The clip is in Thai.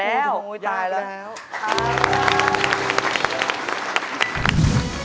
เสียบรรยาภาพ